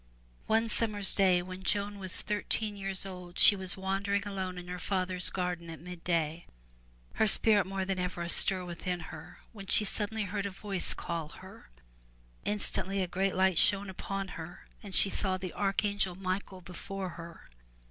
One summer's day when Joan was thirteen years old she was wandering alone in her father's garden at midday, her spirit more than ever astir within her, when she suddenly heard a voice call her. Instantly a great light shone upon her and she saw the archangel Michael before her.